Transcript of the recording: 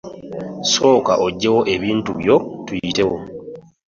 Sooka ogyewo ebintu byo tuyitewo.